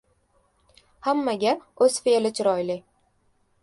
• Hammaga o‘z fe’li chiroyli.